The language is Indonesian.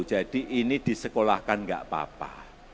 jadi ini disekolahkan enggak apa apa